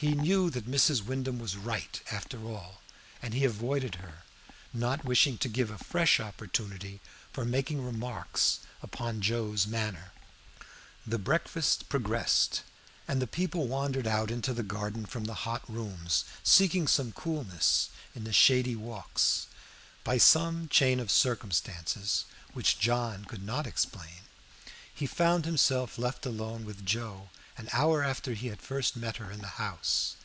He knew that Mrs. Wyndham was right, after all, and he avoided her, not wishing to give a fresh opportunity for making remarks upon Joe's manner. The breakfast progressed, and the people wandered out into the garden from the hot rooms, seeking some coolness in the shady walks. By some chain of circumstances which John could not explain, he found himself left alone with Joe an hour after he had first met her in the house.